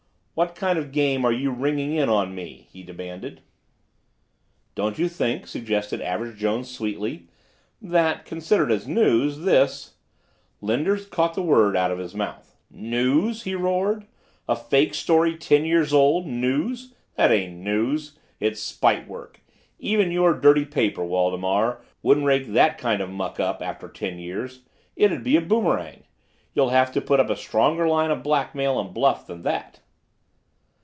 "What kind of a game are you ringing in on me?" he demanded. "Don't you think," suggested Average Jones sweetly, "that considered as news, this—" Linder caught the word out of his mouth. "News!" he roared. "A fake story ten years old, news? That ain't news! It's spite work. Even your dirty paper, Waldemar, wouldn't rake that kind of muck up after ten years. It'd be a boomerang. You'll have to put up a stronger line of blackmail and bluff than that."